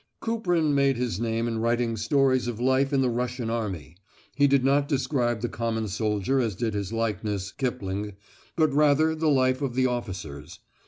Kuprin made his name in writing stories of life in the Russian army. He did not describe the common soldier as did his likeness, Kipling, but rather the life of the officers.